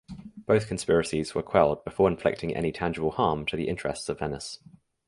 Both conspiracies were quelled before inflicting any tangible harm to the interests of Venice.